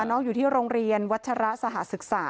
อยู่ที่โรงเรียนวัชระสหศึกษา